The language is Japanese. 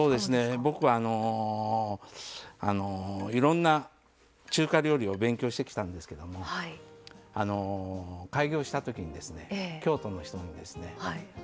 僕は、いろんな中華料理を勉強してきたんですけれど開業したときに京都の人にですね